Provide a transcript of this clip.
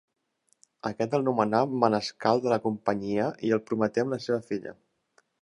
Aquest el nomenà manescal de la Companyia i el prometé amb la seva filla.